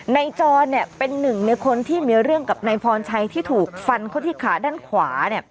จรเป็นหนึ่งในคนที่มีเรื่องกับนายพรชัยที่ถูกฟันเขาที่ขาด้านขวา